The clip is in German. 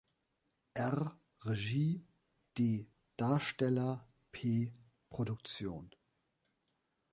R= Regie, D= Darsteller, P= Produktion